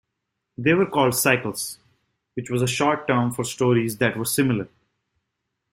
They were called cycles, which was a short term for stories that were similar.